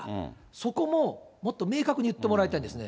そこももっと明確に言ってもらいたいんですね。